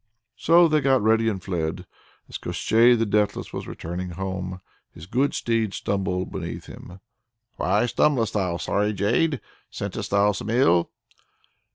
So they got ready and fled. As Koshchei the Deathless was returning home, his good steed stumbled beneath him. "Why stumblest thou, sorry jade? scentest thou some ill?"